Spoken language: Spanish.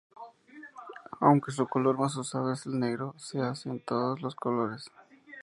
Aunque su color más usado es el negro, se hace en todos colores.